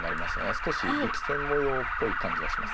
少し力戦模様っぽい感じがしますね。